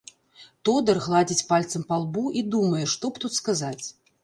Тодар гладзіць пальцам па лбу і думае, што б тут сказаць.